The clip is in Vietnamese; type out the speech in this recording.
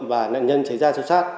và nạn nhân xảy ra sâu sát